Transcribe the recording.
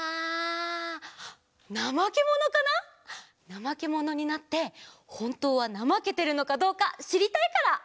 ナマケモノになってほんとうはなまけてるのかどうかしりたいから！